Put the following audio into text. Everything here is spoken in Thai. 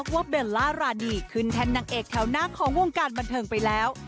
เบลล่าราดีขึ้นแทนนางเอกแถวหน้าของวงการบันเทิงไปแล้ว